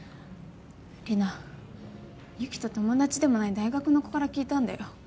リナ雪と友達でもない大学の子から聞いたんだよ？